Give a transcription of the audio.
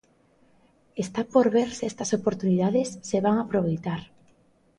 Está por ver se estas oportunidades se van aproveitar.